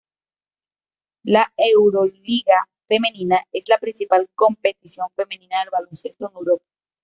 La Euroliga Femenina es la principal competición femenina de baloncesto en Europa.